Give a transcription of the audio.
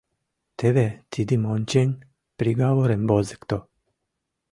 — Теве тидым ончен, приговорым возыкто.